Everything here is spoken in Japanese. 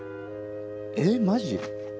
えっマジ？